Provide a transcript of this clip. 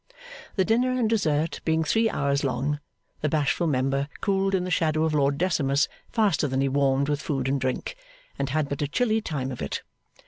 The dinner and dessert being three hours long, the bashful Member cooled in the shadow of Lord Decimus faster than he warmed with food and drink, and had but a chilly time of it.